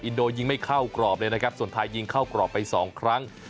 โดยิงไม่เข้ากรอบเลยนะครับส่วนไทยยิงเข้ากรอบไปสองครั้ง